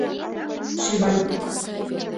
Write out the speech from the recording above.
Сӱван!